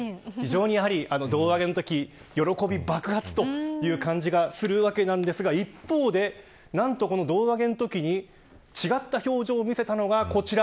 胴上げのとき喜び爆発という感じがするわけなんですが、一方でこの胴上げのときに違った表情を見せたのは、こちら。